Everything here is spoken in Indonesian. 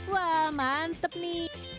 wah mantep nih